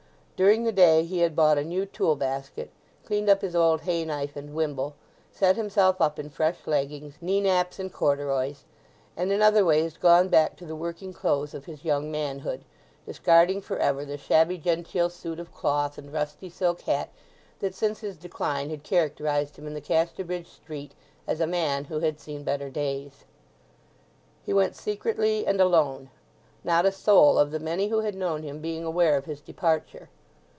During the day he had bought a new tool basket, cleaned up his old hay knife and wimble, set himself up in fresh leggings, kneenaps and corduroys, and in other ways gone back to the working clothes of his young manhood, discarding for ever the shabby genteel suit of cloth and rusty silk hat that since his decline had characterized him in the Casterbridge street as a man who had seen better days. He went secretly and alone, not a soul of the many who had known him being aware of his departure.